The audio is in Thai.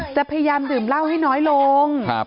จะพยายามดื่มเหล้าให้น้อยลง